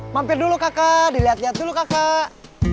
mampir dulu kakak dilihat lihat dulu kakak